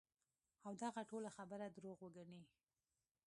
او دغه ټوله خبره دروغ وګڼی -